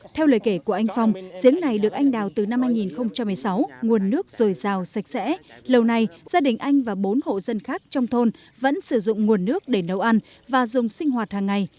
theo lời kể của anh phong giếng này được anh đào từ năm hai nghìn một mươi sáu nguồn nước dồi dào sạch sẽ lâu nay gia đình anh và bốn hộ dân khác trong thôn vẫn sử dụng nguồn nước để nấu ăn và dùng sinh hoạt hàng ngày